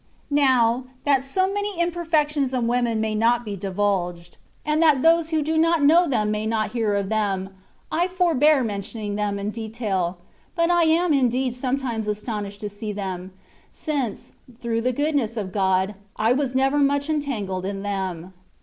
Now, that so many imperfections of women may not be divulged, and that those who do not know them may not hear of them, I forbear mentioning them in detail (but I am indeed sometimes aston ished to see them), since, through the goodness of God, I was never much entangled in them.